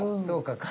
そうか。